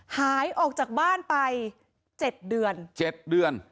หายออกจากบ้านไป๗เดือน